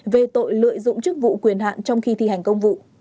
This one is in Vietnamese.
về tội lợi dụng chức vụ quyền hạn trong khi thi hành công vụ